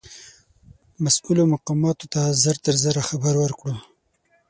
مسؤولو مقاماتو ته ژر تر ژره خبر ورکړو.